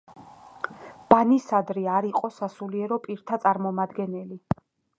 ბანისადრი არ იყო სასულიერო პირთა წარმომადგენელი.